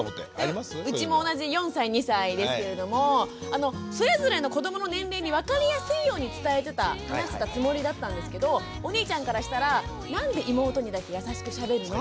うちも同じ４歳２歳ですけれどもそれぞれの子どもの年齢に分かりやすいように伝えてた話してたつもりだったんですけどお兄ちゃんからしたらなんで妹にだけ優しくしゃべるの？